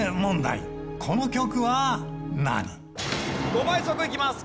５倍速いきます。